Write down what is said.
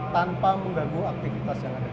tanpa mengganggu aktivitas yang ada di atas